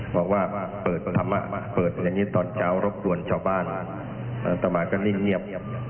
บอกว่าเปิดธรรมะเปิดอย่างนี้ตอนเช้ารบกวนชาวบ้านต่อมาก็นิ่งเงียบ